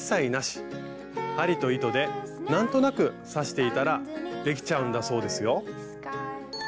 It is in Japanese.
針と糸で何となく刺していたらできちゃうんだそうですよ。